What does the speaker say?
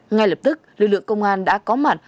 ngay lập tức lực lượng công an đã có mặt